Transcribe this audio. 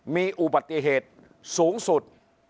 มีอุบัติเหตุสูงสุด